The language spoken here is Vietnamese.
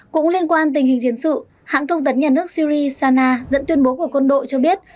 cũng liên quan tình hình chiến sự hãng thông tấn nhà nước syri sana dẫn tuyên bố của quân đội cho biết